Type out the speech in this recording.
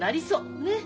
ねっ。